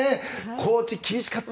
コーチ、厳しかった。